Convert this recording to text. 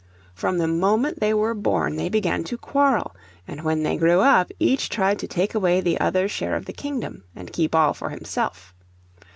From the moment they were born they began to quarrel; and when they grew up each tried to take away the other's share of the kingdom, and keep all for himself.